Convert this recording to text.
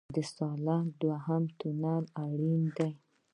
د سالنګ دویم تونل اړین دی